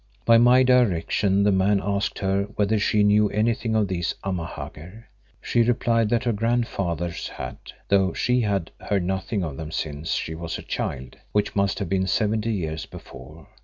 By my direction the man asked her whether she knew anything of these Amahagger. She replied that her grandfathers had, though she had heard nothing of them since she was a child, which must have been seventy years before.